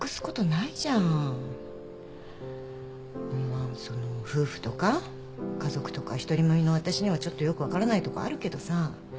まあその夫婦とか家族とか独り身の私にはちょっとよく分からないとこあるけどさ。